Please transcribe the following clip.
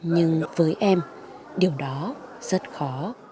nhưng với em điều đó rất khó